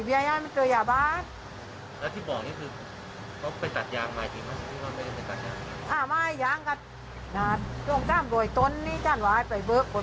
ที่บ้านกลับไปกัน